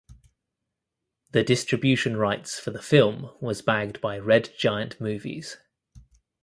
The distribution rights for the film was bagged by Red Giant Movies.